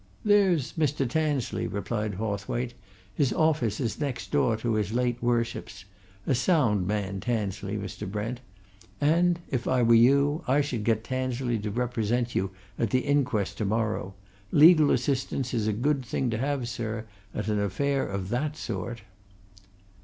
"There's Mr. Tansley," replied Hawthwaite. "His office is next door to his late Worship's a sound man, Tansley, Mr. Brent. And, if I were you, I should get Tansley to represent you at the inquest to morrow legal assistance is a good thing to have, sir, at an affair of that sort."